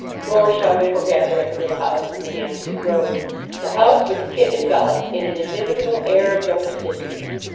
Nor shall we foregather at the little house in the Hampstead Road, the house which Kit enveloped in an inimitable air of domesticity.